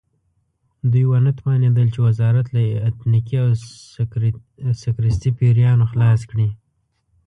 دوی ونه توانېدل چې وزارت له اتنیکي او سکتریستي پیریانو خلاص کړي.